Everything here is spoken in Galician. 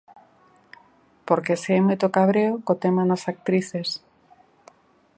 Porque si hai moito cabreo co tema nas actrices.